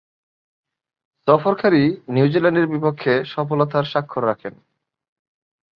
সফরকারী নিউজিল্যান্ডের বিপক্ষে সফলতার স্বাক্ষর রাখেন।